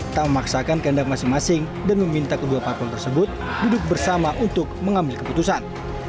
tak memaksakan kandang masing masing dan meminta kedua parpol tersebut duduk bersama untuk mengambil keputusan